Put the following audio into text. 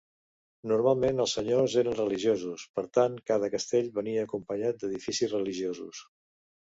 Normalment els senyors eren religiosos, per tant cada castell venia acompanyat d'edificis religiosos.